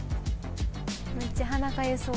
めっちゃ鼻かゆそう。